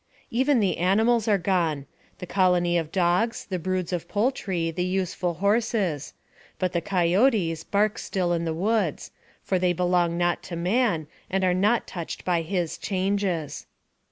Even the animals are gone, the colony of dogs, the broods of poultry, the useful horses; but the coyotes bark still in the woods, for they belong not to man, and are not touched by his changes.